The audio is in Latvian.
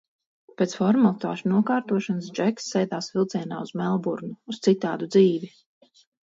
Pēc formalitāšu nokārtošanas Džeks sēdās vilcienā uz Melburnu, uz citādu dzīvi!